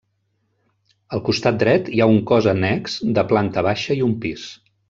Al costat dret hi ha un cos annex de planta baixa i un pis.